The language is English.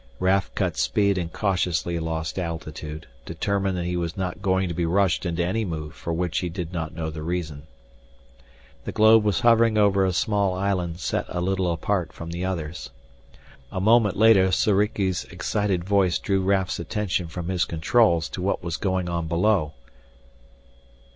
Raf cut speed and cautiously lost altitude, determined that he was not going to be rushed into any move for which he did not know the reason. The globe was hovering over a small island set a little apart from the others. A moment later Soriki's excited voice drew Raf's attention from his controls to what was going on below.